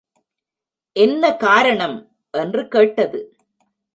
என்ன காரணம்? என்று கேட்டது.